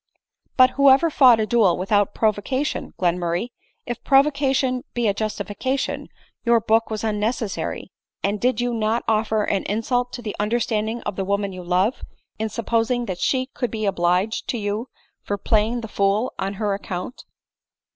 "But whoever fought a duel without provocation, Glenmurray ? If provocation be a justification, your book was unnecessary ; and did not you offer an insult to the understanding of the woman you love, in supposing that she could be obliged to you for playing the fool on her account